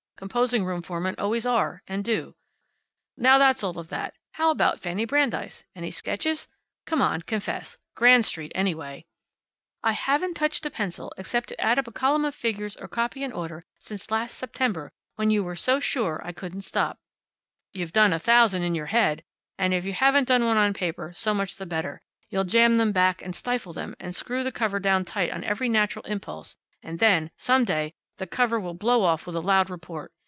Composing room foremen always are and do. Now, that's all of that. How about Fanny Brandeis? Any sketches? Come on. Confess. Grand street, anyway." "I haven't touched a pencil, except to add up a column of figures or copy an order, since last September, when you were so sure I couldn't stop." "You've done a thousand in your head. And if you haven't done one on paper so much the better. You'll jam them back, and stifle them, and screw the cover down tight on every natural impulse, and then, some day, the cover will blow off with a loud report.